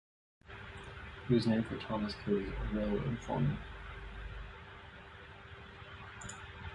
It was named for Thomas Cody, a railroad foreman.